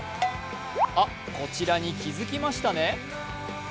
あ、こちらに気づきましたね。